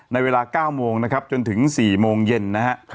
ในเวลา๙โมงนะครับจนถึง๔โมงเย็นนะฮะ